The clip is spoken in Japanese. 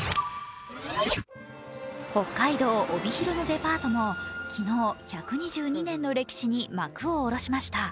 北海道帯広のデパートも昨日、１２２年の歴史に幕を下ろしました。